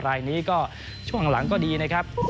รายนี้ก็ช่วงหลังก็ดีนะครับ